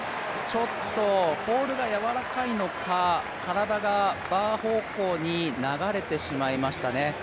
ちょっとポールがやわらかいのか、体がバー方向に流れてしまいましたね。